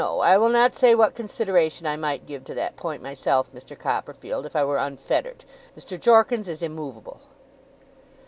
I will not say what consideration I might give to that point myself, Mr. Copperfield, if I were unfettered. Mr. Jorkins is immovable.